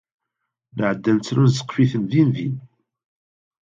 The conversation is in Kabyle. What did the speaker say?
Nɛedda ad nettru, nezqef-iten din din.